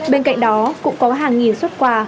bên cạnh đó cũng có hàng nghìn xuất quà